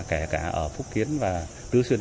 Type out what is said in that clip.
kể cả ở phúc kiến và tứ xuyên